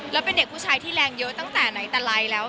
แล้วเป็นเด็กผู้ชายที่แรงเยอะตั้งแต่ไหนแต่ไรแล้ว